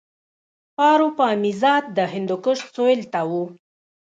پاروپامیزاد د هندوکش سویل ته و